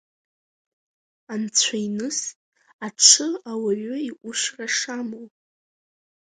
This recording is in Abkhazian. Анцәа иныс аҽы ауаҩы иҟәышра шамоу.